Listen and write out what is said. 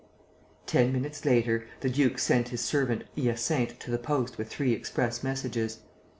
Ten minutes later, the duke sent his servant Hyacinthe to the post with three express messages.